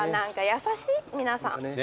優しい皆さん。